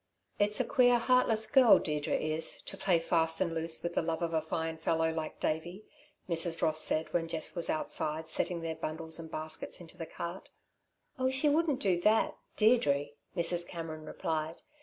"It's a queer, heartless girl Deirdre is, to play fast and loose with the love of a fine fellow like Davey," Mrs. Ross said, when Jess was outside setting their bundles and baskets into the cart. "Oh, she wouldn't do that Deirdre," Mrs. Cameron replied.